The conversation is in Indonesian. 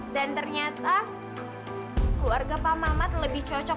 dan ternyata keluarga pak mamat lebih cocok